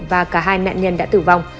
và cả hai nạn nhân đã tử vong